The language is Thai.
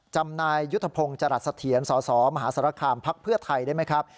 จำนายยุทธพงศ์จรัสเถียรสสมหาสารคามพักเพื่อไทยได้ไหมครับ